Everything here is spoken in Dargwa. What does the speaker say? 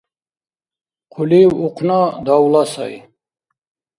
Хъулив ухъна - давла сай.